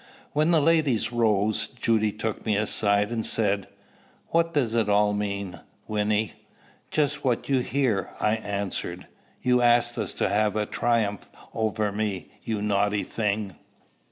When the ladies rose, Judy took me aside, and said, "What does it all mean, Wynnie?" "Just what you hear," I answered. "You asked us, to have a triumph over me, you naughty thing!"